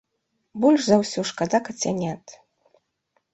Больш за ўсё шкада кацянят.